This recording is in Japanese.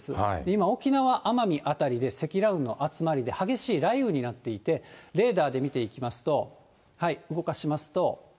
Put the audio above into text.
今、沖縄・奄美辺りで、積乱雲の集まりで激しい雷雨になっていて、レーダーで見ていきますと、動かしますと。